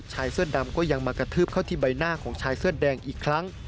ชายเสื้อดำก็ยังมากระทืบเข้าที่ใบหน้าของชายเสื้อแดงอีกครั้ง